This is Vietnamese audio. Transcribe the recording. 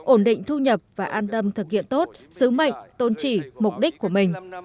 ổn định thu nhập và an tâm thực hiện tốt sứ mệnh tôn trị mục đích của mình